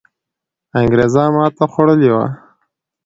انګریزان ماتې خوړلې وو.